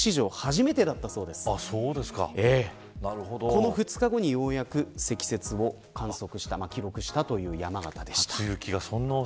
この２日後に、ようやく積雪を記録したという山形でした。